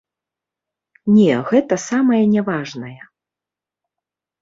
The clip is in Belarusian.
Не, гэта самая няважная.